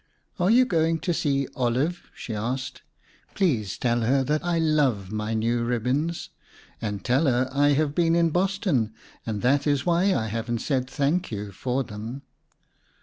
"Are you going to see Olive?" she asked. "Please tell her that I love my new ribbons. And tell her I have been in Boston and that is why I haven't said 'thank you' for them."